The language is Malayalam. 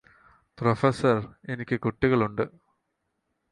പ്രൊഫസർ എനിക്ക് കുട്ടികളുണ്ട്